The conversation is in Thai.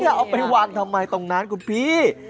อันนี้เอาไปวางทำไมตรงนั้นครับคุณพีฮะ